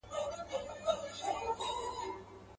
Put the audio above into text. په صحبت نه مړېدی د عالمانو.